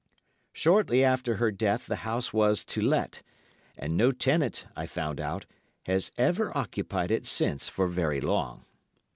Shortly after her death the house was to let, and no tenant, I found out, has ever occupied it since for very long.